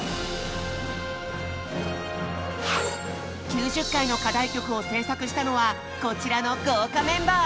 ９０回の課題曲を制作したのはこちらの豪華メンバー。